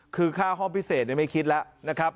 คือค่าห้องพิเศษไม่คิดแล้วนะครับ